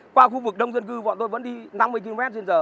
qua khu vực đông dân cư bọn tôi vẫn đi năm mươi km trên giờ